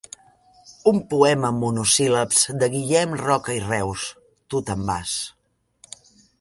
«Un poema en monosíl·labs de Guillem Roca i Reus: Tu te'n vas.